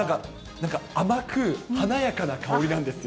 なんか甘く、華やかな香りなんですよ。